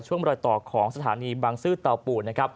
ช่วงบรอยต่อของสถานีบังซื้อเตาปูน